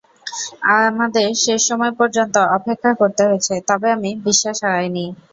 আমাদের শেষ সময় পর্যন্ত অপেক্ষা করতে হয়েছে, তবে আমি বিশ্বাস হারাইনি।